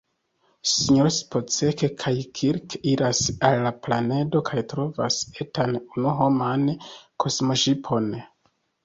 Sinjoro Spock kaj Kirk iras al la planedo kaj trovas etan unu-homan kosmoŝipon.